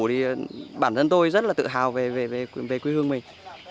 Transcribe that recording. thì bản thân tôi rất là tự hào về quê hương mình